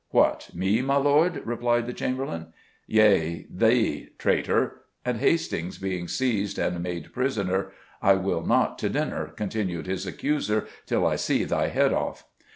"What, me, my lord?" replied the Chamberlain. "Yea, thee, traitor." And Hastings being seized and made prisoner, "I will not to dinner," continued his accuser, "till I see thy head off."